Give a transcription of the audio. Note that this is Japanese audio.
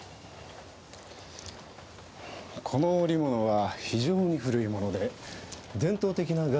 この織物は非常に古いもので伝統的な柄のお召しです。